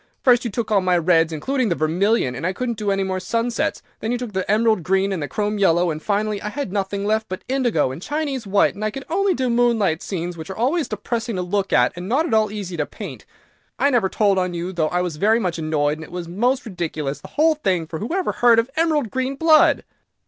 First you took all my reds, including the vermilion, and I couldn't do any more sunsets, then you took the emerald green and the chrome yellow, and finally I had nothing left but indigo and Chinese white, and could only do moonlight scenes, which are always depressing to look at, and not at all easy to paint. I never told on you, though I was very much annoyed, and it was most ridiculous, the whole thing; for who ever heard of emerald green blood?"